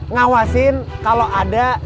ngawasin kalau ada sesuatu yang terjadi